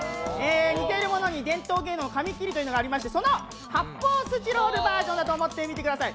似ているものに伝統芸能紙切りというのがありましてその発泡スチロールバージョンだと思って見てください。